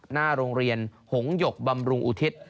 หน้าโรงเรียนหงหยกบำรุงอุทิศ